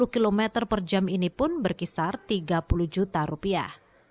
dua puluh km per jam ini pun berkisar tiga puluh juta rupiah